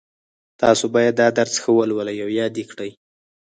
تاسو باید دا درس ښه ولولئ او یاد یې کړئ